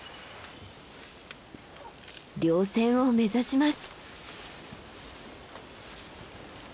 稜線を目指します。